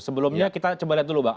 sebelumnya kita coba lihat dulu bang